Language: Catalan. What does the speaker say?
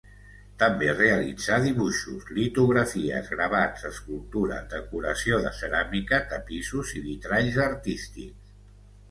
També realitzà dibuixos, litografies, gravats, escultura, decoració de ceràmica, tapissos i vitralls artístics.